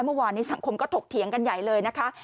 เมื่อวานนี้สังคมก็ถกเถียงกันใหญ่เลยนะคะ